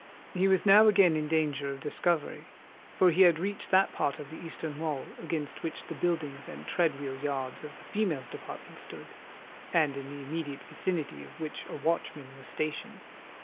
He was now again in danger of discovery; for he had reached that part of the eastern wall against which the buildings and tread wheel yards of the females' department stood, and in the immediate vicinity of which a watchman was stationed.